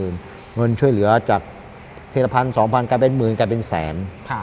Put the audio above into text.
เงินช่วยเหลือจากทีละพันสองพันกลายเป็นหมื่นกลายเป็นแสน